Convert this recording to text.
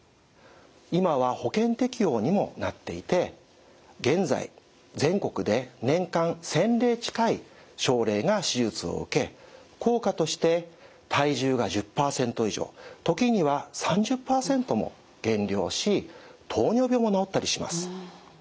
今は保険適用にもなっていて現在全国で年間１，０００例近い症例が手術を受け効果として体重が１０％以上時には３０％も減量し糖尿病も治ったりします。